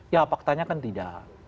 ya faktanya kan tidak